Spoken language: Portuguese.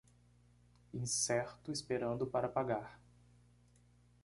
Incerto esperando para pagar